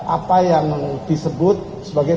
apa yang disebut sebagai